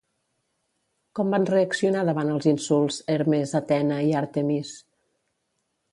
Com van reaccionar davant els insults Hermes, Atena i Àrtemis?